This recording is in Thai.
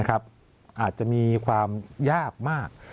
อาจจะมีความยากมาก